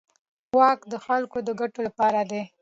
واک د خلکو د ګټو لپاره دی.